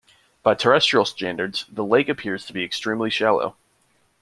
By terrestrial standards, the lake appears to be extremely shallow.